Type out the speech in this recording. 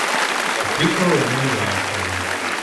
Apiko neogoya piny